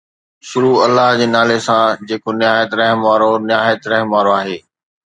شروع الله جي نالي سان جيڪو نهايت رحم وارو نهايت رحم وارو آهي